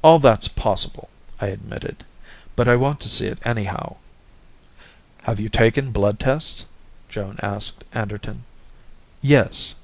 "All that's possible," I admitted. "But I want to see it, anyhow." "Have you taken blood tests?" Joan asked Anderton. "Yes."